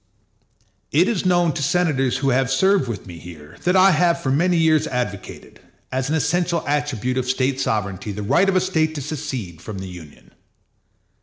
It is known to senators who have served with me here that I have for many years advocated, as an essential attribute of State sovereignty, the right of a State to secede from the Union.